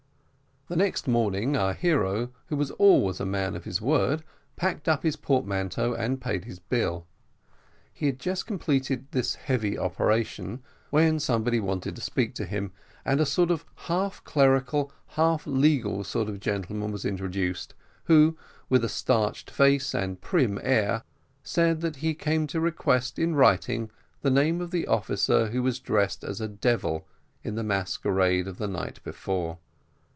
The next morning our hero, who was always a man of his word, packed up his portmanteau, and paid his bill. He had just completed this heavy operation, when somebody wanted to speak to him, and a sort of half clerical, half legal sort of looking gentleman was introduced, who, with a starched face and prim air, said that he came to request in writing the name of the officer who was dressed as a devil in the masquerade of the night before.